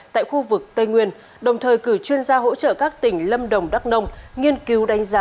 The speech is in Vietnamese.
tại khu vực tây nguyên đồng thời cử chuyên gia hỗ trợ các tỉnh lâm đồng đắk nông nghiên cứu đánh giá